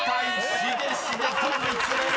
「しげしげと見つめる」］